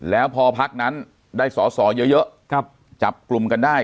แล้วพอพักนั้นได้สอสอเยอะจับกลุ่มกันได้